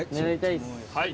はい！